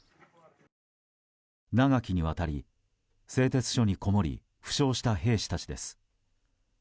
長きにわたり製鉄所にこもり負傷した兵士たちです。